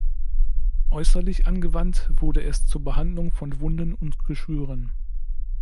Äußerlich angewandt wurde es zur Behandlung von Wunden und Geschwüren.